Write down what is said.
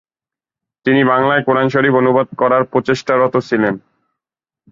তিনি বাংলায় কোরআন শরীফ অনুবাদ করার প্রচেষ্টারত ছিলেন।